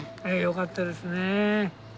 ええよかったですねえ。